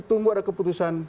tunggu ada keputusan